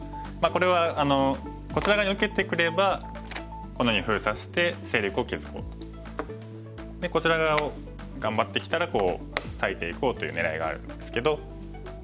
これはこちら側に受けてくればこのように封鎖して勢力を築こうと。でこちら側を頑張ってきたら裂いていこうという狙いがあるんですけど。